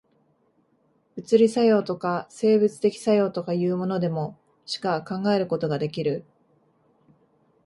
物理作用とか、生物的作用とかいうものでも、しか考えることができる。